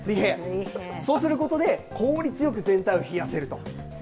そうすることで、効率よく全体を冷やせるということです。